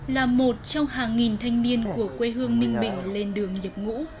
là một trong hàng nghìn thanh niên của quê hương ninh bình lên đường nhập ngũ